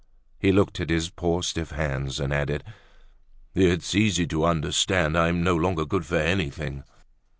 He looked at his poor stiff hands and added: "It's easy to understand, I'm no longer good for anything.